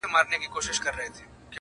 چي يقين يې د خپل ځان پر حماقت سو-